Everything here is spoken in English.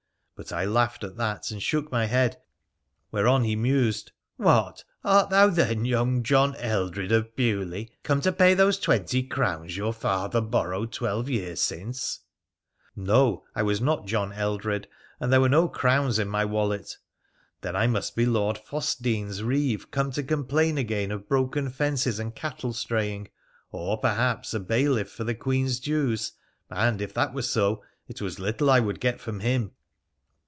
But I laughed at that and shook my head, whereon he mused —' What ! art thou, then, young John Eldrid of Beaulieu, come to pay those twenty crowns your father borrowed twelve years since ?' No ! I was not John Eldrid, and there were no crowns in my wallet. Then I must be Lord Fossedene's reeve come to complain again of broken fences and cattle straying, or, perhaps, a bailiff for the Queen's dues, and, if that were so, it was little I would get from him.